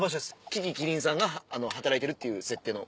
樹木希林さんが働いてるっていう設定の。